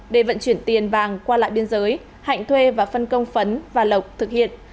để vận chuyển tiền vàng qua lại biên giới hạnh thuê và phân công phấn và lộc thực hiện